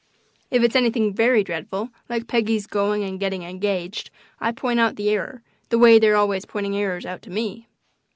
If it's anything very dreadful, like Peggy's going and getting engaged, I point out the error, the way they're always pointing errors out to me.